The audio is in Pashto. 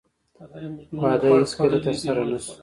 واده یې هېڅکله ترسره نه شو